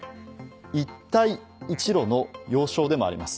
一帯一路の要衝でもあります。